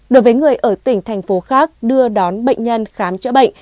đối với người ở tỉnh thành phố khác đưa đón bệnh nhân khám chữa bệnh